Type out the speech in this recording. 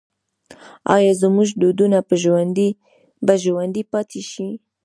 آیا زموږ دودونه به ژوندي پاتې شي؟